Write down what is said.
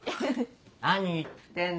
何言ってんの。